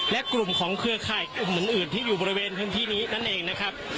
และกลุ่มของเครือข่ายกลุ่มอื่นที่อยู่บริเวณพื้นที่นี้นั่นเองนะครับ